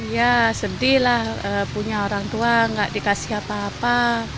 ya sedih lah punya orang tua nggak dikasih apa apa